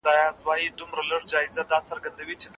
پښتو غږیز نظام لري.